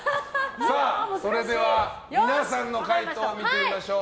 さあ、皆さんの回答を見てみましょう。